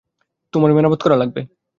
তোমার মেরামত করা লাগবে।